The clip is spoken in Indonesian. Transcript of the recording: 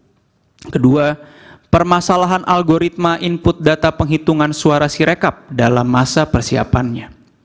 yang kedua permasalahan algoritma input data penghitungan suara sirekap dalam masa persiapannya